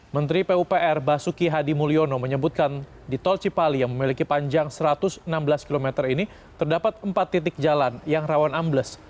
menteri pupr basuki hadi mulyono menyebutkan di tol cipali yang memiliki panjang satu ratus enam belas km ini terdapat empat titik jalan yang rawan ambles